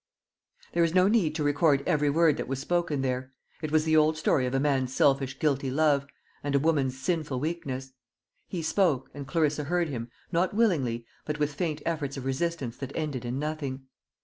There is no need to record every word that was spoken there; it was the old story of a man's selfish guilty love, and a woman's sinful weakness. He spoke, and Clarissa heard him, not willingly, but with faint efforts of resistance that ended in nothing.